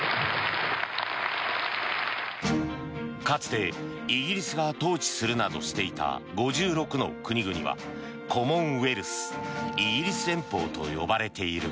かつてイギリスが統治するなどしていた５６の国々はコモンウェルスイギリス連邦と呼ばれている。